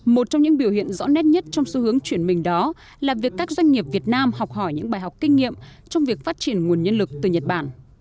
một trong những biểu hiện rõ nét nhất trong xu hướng chuyển mình đó là việc các doanh nghiệp việt nam học hỏi những bài học kinh nghiệm trong việc phát triển nguồn nhân lực từ nhật bản